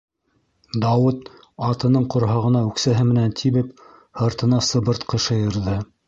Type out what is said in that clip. Дауыт, атының ҡорһағына үксәһе менән тибеп, һыртына сыбыртҡы шыйырҙы: